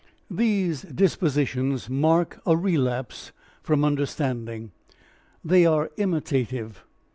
These dispositions mark a relapse from understanding. They are imitative.